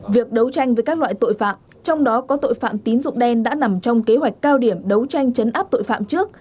việc đấu tranh với các loại tội phạm trong đó có tội phạm tín dụng đen đã nằm trong kế hoạch cao điểm đấu tranh chấn áp tội phạm trước